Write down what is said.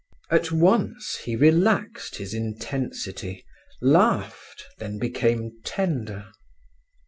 At once he relaxed his intensity, laughed, then became tender.